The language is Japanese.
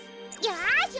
よし！